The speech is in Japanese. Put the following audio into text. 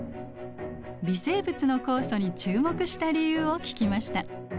微生物の酵素に注目した理由を聞きました。